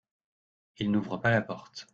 Il n’ouvre pas la porte.